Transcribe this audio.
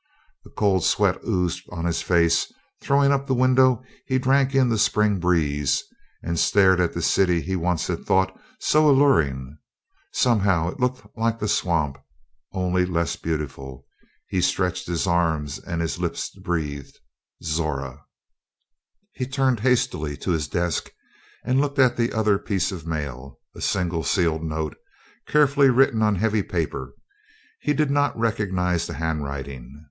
The cold sweat oozed on his face; throwing up the window, he drank in the Spring breeze, and stared at the city he once had thought so alluring. Somehow it looked like the swamp, only less beautiful; he stretched his arms and his lips breathed "Zora!" He turned hastily to his desk and looked at the other piece of mail a single sealed note carefully written on heavy paper. He did not recognize the handwriting.